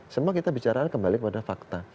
semua kita bicara kembali kepada fakta